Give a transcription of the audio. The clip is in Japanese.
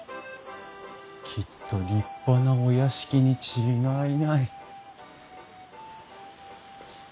きっと立派なお屋敷に違いない。